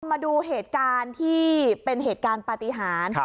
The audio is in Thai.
มาดูเหตุการณ์ที่เป็นเหตุการณ์ปฏิหาร